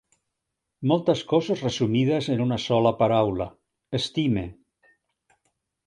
Moltes coses resumides en una sola paraula: estime.